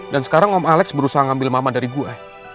dan sekarang om alex berusaha ngambil mama dari gue